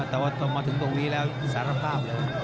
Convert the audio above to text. แต่ว่าต้องมาถึงตรงนี้แล้วสารภาพเลย